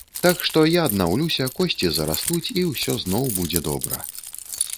Так што, я аднаўлюся, косці зарастуць, і ўсё зноў будзе добра.